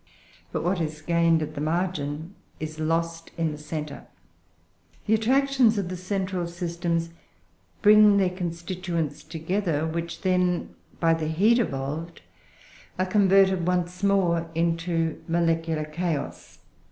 But what is gained at the margin is lost in the centre; the attractions of the central systems bring their constituents together, which then, by the heat evolved, are converted once more into molecular chaos.